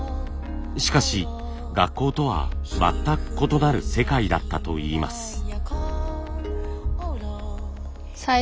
しかし学校とは全く異なる世界だったといいます。